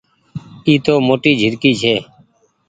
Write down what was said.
اي تو موٽي جهرڪي ڇي۔